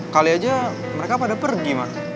kali aja mereka pada pergi